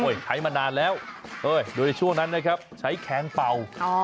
ใช้มานานแล้วโดยช่วงนั้นใช้แค้นเป่า